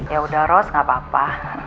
ya udah ros gapapa